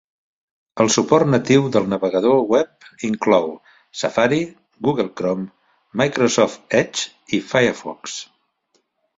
El suport natiu del navegador web inclou: Safari, Google Chrome, Microsoft Edge i Firefox.